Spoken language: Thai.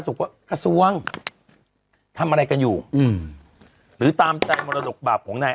กว่ากระทรวงทำอะไรกันอยู่อืมหรือตามใจมรดกบาปของนาย